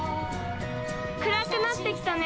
暗くなって来たね。